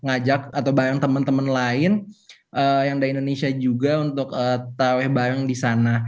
ngajak atau bareng temen temen lain yang dari indonesia juga untuk taweh bareng di sana